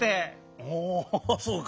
あそうか。